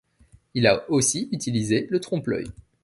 Il a aussi utilisé le trompe-l'œil.